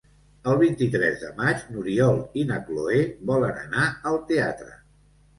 El vint-i-tres de maig n'Oriol i na Cloè volen anar al teatre.